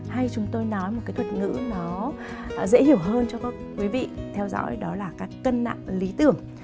hay chúng tôi nói một cái thuật ngữ nó dễ hiểu hơn cho quý vị theo dõi đó là cân nặng lý tưởng